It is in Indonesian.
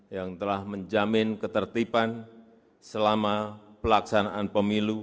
yang telah menjamin ketertiban selama pelaksanaan pemilu